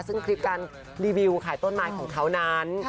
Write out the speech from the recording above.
ซึ่งคลิปการรีวิวขายต้นไม้ของเขานั้น